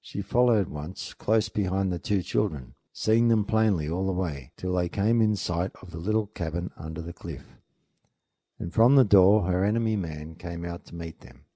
She followed once close behind the two children, seeing them plainly all the way, till they came in sight of the little cabin under the cliff, and from the door her enemy man came out to meet them.